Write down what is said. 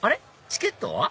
チケットは？